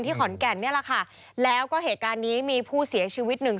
ขอนแก่นนี่แหละค่ะแล้วก็เหตุการณ์นี้มีผู้เสียชีวิตหนึ่ง